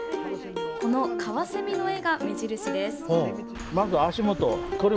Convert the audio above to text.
このカワセミの絵が目印です。